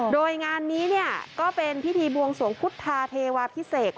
โดยงานนี้ก็เป็นพิธีบวงสวงพุทธาเทวาพิเศษ